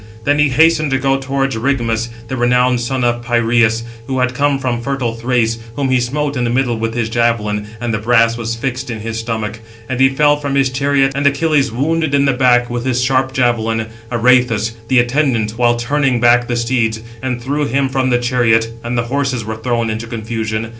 Then he hastened to go towards Rigmus, the renowned son of Pireus, who had come from fertile Thrace; whom he smote in the middle with his javelin, and the brass was fixed in his stomach; and he fell from his chariot: and Achilles wounded in the back, with his sharp javelin, Areïthoüs, the attendant, while turning back the steeds, and threw him from the chariot: and the horses were thrown into confusion.